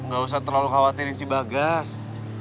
gak usah terlalu khawatirin si bagas